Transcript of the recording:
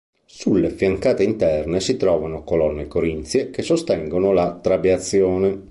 Sulle fiancate interne si trovano colonne corinzie, che sostengono la trabeazione.